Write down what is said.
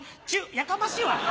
やかましいわ！